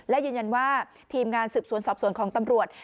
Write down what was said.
และยืนยันว่าทีมงานสืบสวนสอบสวนของตำรวจ